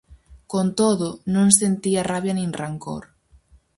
Con todo, non sentía rabia nin rancor.